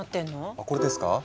あこれですか？